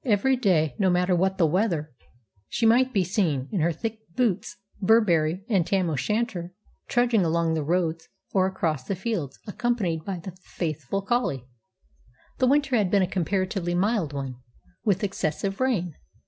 Every day, no matter what the weather, she might be seen, in her thick boots, burberry, and tam o'shanter, trudging along the roads or across the fields accompanied by the faithful collie. The winter had been a comparatively mild one, with excessive rain.